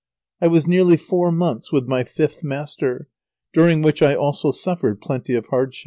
I was nearly four months with my fifth master, during which I also suffered plenty of hardships.